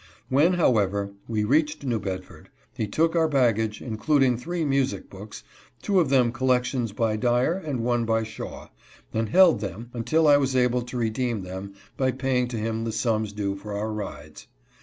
When, however, we reached New Bedford he took our baggage, including three music books, — two of them collections by Dyer, and one by Shaw, — and held them until I was able to redeem them by paying to him the sums due for our rides.